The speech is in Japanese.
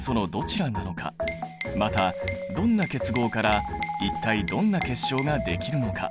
またどんな結合から一体どんな結晶ができるのか？